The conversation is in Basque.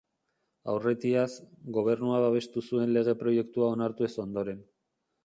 Aurretiaz, gobernua babestu zuen lege-proiektua onartu ez ondoren.